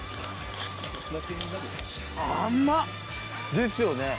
ですよね！